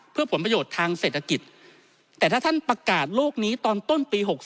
เพื่อผลประโยชน์ทางเศรษฐกิจแต่ถ้าท่านประกาศโลกนี้ตอนต้นปี๖๒